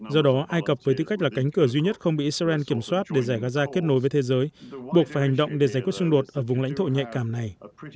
do đó ai cập với tư cách là cánh cửa duy nhất không bị israel kiểm soát để giải gaza kết nối với thế giới buộc phải hành động để giải quyết xung đột ở vùng lãnh thổ nhạy cảm này